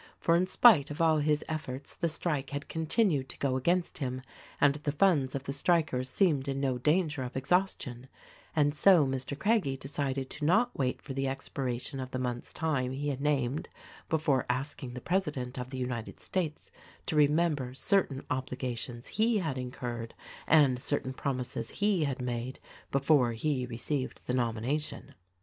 For in spite of all his efforts the strike had continued to go against him; and the funds of the strikers seemed in no danger of exhaustion; and so Mr. Craggie decided to not wait for the expiration of the month's time he had named, before asking the President of the United States to remem ber certain obligations he had incurred and certain promises he had made before he received the nomination.